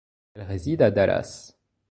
Elle réside à Dallas.